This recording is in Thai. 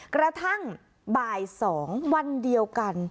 กระทั่งบ่าย๒วันเดียวกัน